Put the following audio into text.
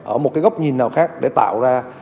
ở một góc nhìn nào khác để tạo ra